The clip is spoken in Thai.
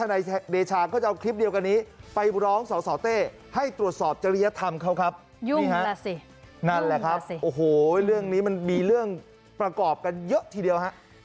นั่นแหละครับโอ้โหเรื่องนี้มันมีเรื่องประกอบกันเยอะทีเดียว